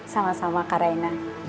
sama sama kak raina